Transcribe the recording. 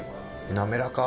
滑らか！